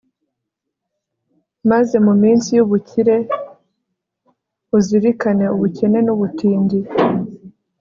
maze mu minsi y'ubukire, uzirikane ubukene n'ubutindi